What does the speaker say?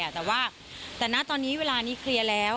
แต่ว่าแต่ณตอนนี้เวลานี้เคลียร์แล้ว